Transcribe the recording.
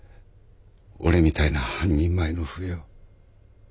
俺みたいな半人前の笛を。